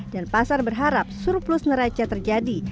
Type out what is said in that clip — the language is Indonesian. dan pasar berharap surplus neraca terjadi